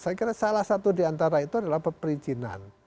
saya kira salah satu di antara itu adalah perizinan